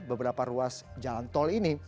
beberapa ruas jalan tol ini